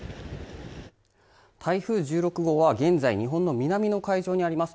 台風１６号は現在日本の南の海上にあります